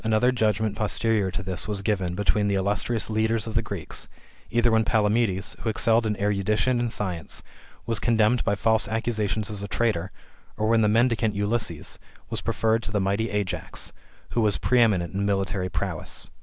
190 THR METAMORPHOSIS, OR judgment posterior to this was given between the illustrious leaders of the Greeks ; either when Palamedes, who excelled in erudition and science was condemned by false accusations as a traitor ; or when the mendicant Ulysses was preferred to the mighty Ajax, who was pre eminent in military prowess.